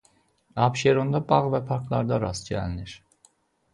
Abşeronda bağ və parklarda rast gəlinir.